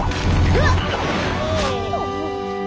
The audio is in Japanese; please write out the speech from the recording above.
うわっ。